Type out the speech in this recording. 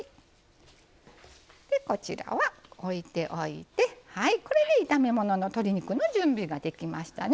でこちらは置いておいてこれで炒め物の鶏肉の準備ができましたね。